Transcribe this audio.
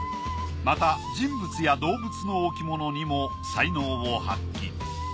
また人物や動物の置物にも才能を発揮。